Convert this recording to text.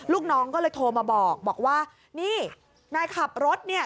ลูกน้องก็เลยโทรมาบอกบอกว่านี่นายขับรถเนี่ย